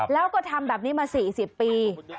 แล้วก็ทำแบบนี้มา๔๐ปี